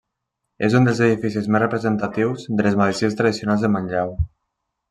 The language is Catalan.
És un dels edificis més representatius de les masies tradicionals de Manlleu.